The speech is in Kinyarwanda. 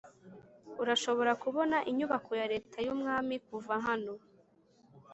urashobora kubona inyubako ya leta y'ubwami kuva hano.